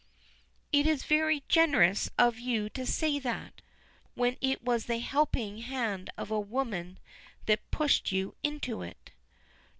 "It is very generous of you to say that, when it was the helping hand of a woman that pushed you into it."